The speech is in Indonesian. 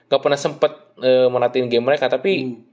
gak pernah sempet menatiin game mereka tapi